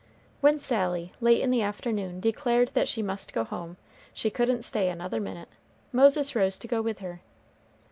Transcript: When Sally, late in the afternoon, declared that she must go home, she couldn't stay another minute, Moses rose to go with her.